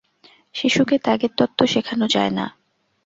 শিশুকে ত্যাগের তত্ত্ব শেখানো যায় না।